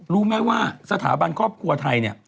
รู้ไหมว่าสถาบันครอบครัวไทยเนี่ย